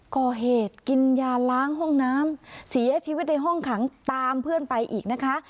ก่อเหตุกินยาล้างห้องน้ำเสียชีวิตในห้องขังตามเพื่อนไปอีกนะคะ